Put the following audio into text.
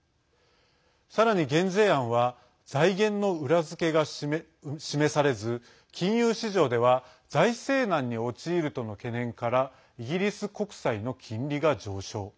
さらに減税案は財源の裏付けが示されず金融市場では財政難に陥るとの懸念からイギリス国債の金利が上昇。